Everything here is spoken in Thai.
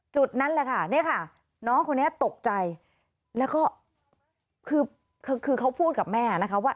จุดนั้นแหละค่ะเนี่ยค่ะน้องคนนี้ตกใจแล้วก็คือคือเขาพูดกับแม่นะคะว่า